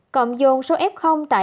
cộng dồn số f tại hà nội